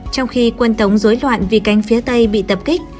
trong khi quân tống dối loạn vì cánh phía tây bị tập kích